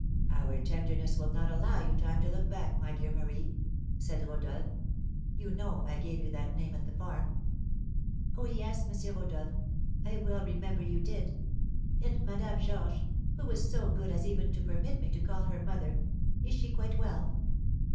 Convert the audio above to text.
Our tenderness will not allow you time to look back, my dear Marie," said Rodolph; "you know I gave you that name at the farm." "Oh, yes, M. Rodolph, I well remember you did. And Madame Georges, who was so good as even to permit me to call her mother, is she quite well?"